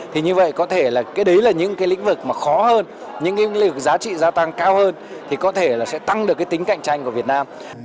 thì như vậy có thể là cái đấy là những lĩnh vực mà khó hơn những lĩnh vực giá trị gia tăng cao hơn thì có thể là sẽ tăng được tính cạnh tranh của việt nam